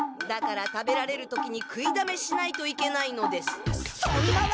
だから食べられる時に食いだめしないといけないのです。